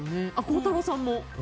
孝太郎さんも。